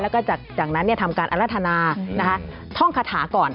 แล้วก็จากจากนั้นเนี่ยทำการอรรถนานะคะอืมนะคะท่องคาถาก่อน